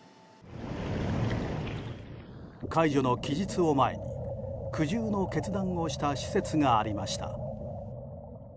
解除の期日を前に苦渋の決断をした施設がありました。